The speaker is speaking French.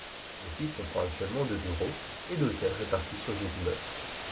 Le site comprend actuellement de bureaux et d'hôtels répartis sur deux immeubles.